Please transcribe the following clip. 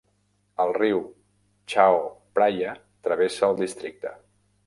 El riu Chao Phraya travessa el districte.